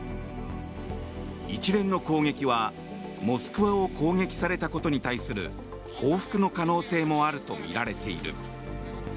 一連の攻撃は「モスクワ」を攻撃されたことに対する報復の可能性もあるとみられている。